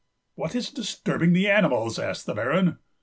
"What is disturbing the animals?" asked the Baron.